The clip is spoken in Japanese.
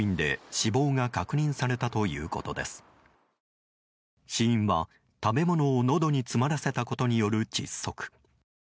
死因は、食べ物をのどに詰まらせたことによる窒息。